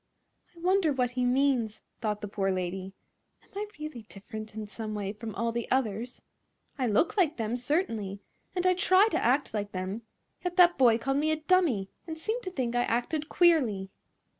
"I wonder that he means," thought the poor lady. "Am I really different in some way from all the others? I look like them, certainly; and I try to act like them; yet that boy called me a dummy and seemed to think I acted queerly."